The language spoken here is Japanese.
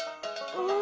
うん！